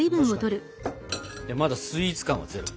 まだスイーツ感はゼロ。